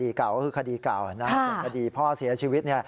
คดีเก่าก็คือคดีเก่าส่วนคดีพ่อเสียชีวิต